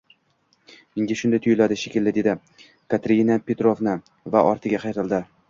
Menga shunday tuyuldi, shekilli, – dedi Katerina Petrovna va ortiga qayrildi.